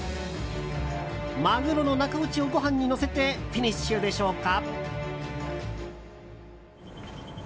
マグロの中落ちをご飯にのせてフィニッシュでしょうか。